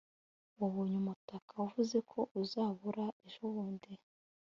wabonye umutaka wavuze ko uzabura ejobundi